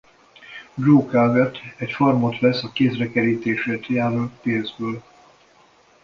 Joe Calvet egy farmot vesz a kézre kerítésért járó pénzből.